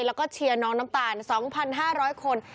แล้วก็เชียร์น้องน้ำตาล๒๕๐๐คน